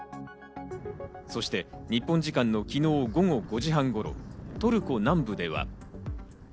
そして日本時間の昨日午後５時半頃、トルコ南部では。